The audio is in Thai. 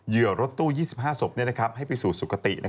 เหยืรถตู้๒๕ศพให้ไปสู่สุขติ